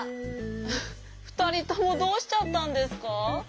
ふたりともどうしちゃったんですか？